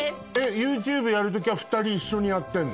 ＹｏｕＴｕｂｅやる時は２人一緒にやってんの？